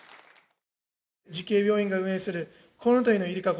慈恵病院が運営するこうのとりのゆりかご。